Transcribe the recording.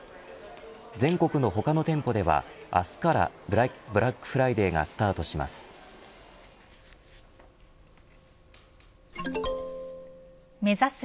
全国の他の店舗では明日からブラックフライデーがスタートします。